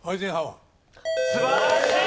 素晴らしい！